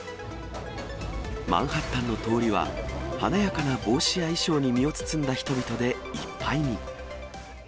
マンハッタンの通りは、華やかな帽子や衣装に身を包んだ人々でいっぱいに。